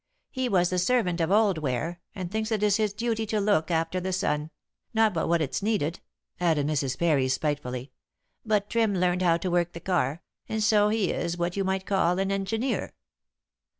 He was the servant of old Ware, and thinks it is his duty to look after the son not but what it's needed," added Mrs. Parry spitefully; "but Trim learned how to work the car, and so he is what you might call an engineer."